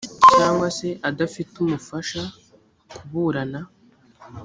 cyangwa se adafite umufasha kuburana